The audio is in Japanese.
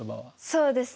そうですね。